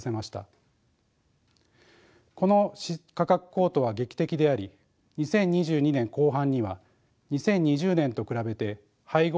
この価格高騰は劇的であり２０２２年後半には２０２０年と比べて配合